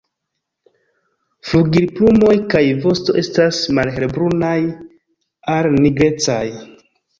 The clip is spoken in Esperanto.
Flugilplumoj kaj vosto estas malhelbrunaj al nigrecaj.